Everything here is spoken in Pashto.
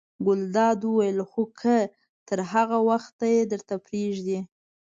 ګلداد وویل: خو که تر هغه وخته یې درته پرېږدي.